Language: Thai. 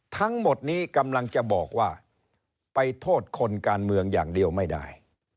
ทั้งหมดนี้กำลังจะบอกว่าไปโทษคนการเมืองอย่างเดียวไม่ได้